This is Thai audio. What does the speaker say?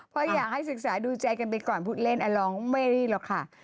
เพราะอยากให้ศึกษาดูใจกันได้ก่อนพูดเล่นอลองเป็นหมอนี่หรอค่ะ